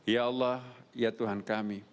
ya allah ya tuhan kami